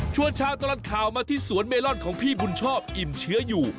ชาวตลอดข่าวมาที่สวนเมลอนของพี่บุญชอบอิ่มเชื้ออยู่